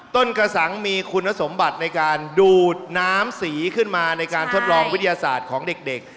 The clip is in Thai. กระสังมีคุณสมบัติในการดูดน้ำสีขึ้นมาในการทดลองวิทยาศาสตร์ของเด็ก